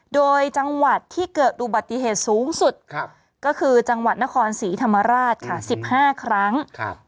โดยจังหวัดที่เกิดอุบัติเหตุสูงสุดก็คือจังหวัดนครศรีธรรมราชค่ะ๑๕ครั้ง